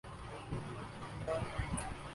اقتدار میں ہوں۔